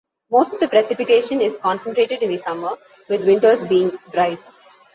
Most of the precipitation is concentrated in the summer, with winters being dry.